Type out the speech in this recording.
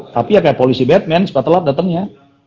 tapi ya kayak polisi batman suka telat datangnya